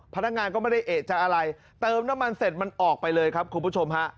พนักงานก็ไม่ได้เอกใจอะไรเติมน้ำมันเสร็จมันออกไปเลยครับคุณผู้ชมฮะ